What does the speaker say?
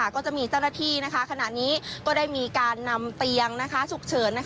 ก็จะมีเจ้าหน้าที่ขณะนี้ก็ได้มีการนำเตียงฉุกเฉิน